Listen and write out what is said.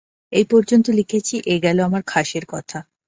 এই পর্যন্ত লিখেছি, এ গেল আমার খাসের কথা।